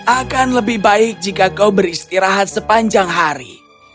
akan lebih baik jika kau beristirahat sepanjang hari